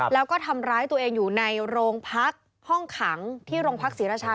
แล้วก็ทำร้ายตัวเองอยู่ในโรงพักห้องขังที่โรงพักศรีราชา